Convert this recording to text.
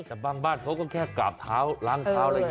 แต่บางบ้านเขาก็แค่กราบเท้าล้างเท้า